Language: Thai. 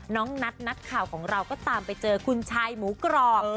น้องนัทนักข่าวของเราก็ตามไปเจอคุณชายหมูกรอบ